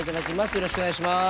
よろしくお願いします。